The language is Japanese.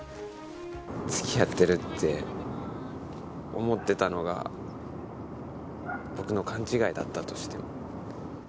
付き合ってるって思ってたのが僕の勘違いだったとしても。